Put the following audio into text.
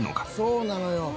そうなのよ。